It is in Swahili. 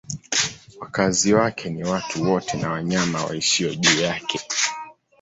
Wakazi wake ni watu wote na wanyama waishio juu yake.